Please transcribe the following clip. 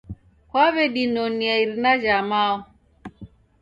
Kwaw'edinonea irina ja mao